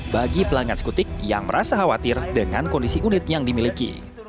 bagi pelanggan skutik yang merasa khawatir dengan kondisi unit yang dimiliki